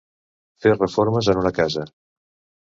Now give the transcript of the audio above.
Fer reformes en una casa.